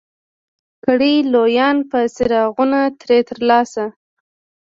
کړي لویان به څراغونه ترې ترلاسه